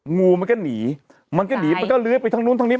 งูมันก็หนีมันก็หนีมันก็เลื้อยไปทางนู้นทางนี้